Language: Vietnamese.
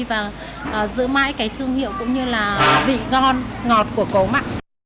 và giữ mãi cái thương hiệu cũng như là vị ngon ngọt của cốm ạ